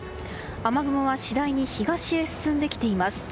雨雲は次第に東に進んできています。